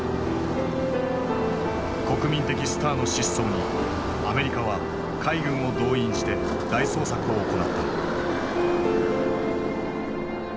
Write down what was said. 国民的スターの失踪にアメリカは海軍を動員して大捜索を行った。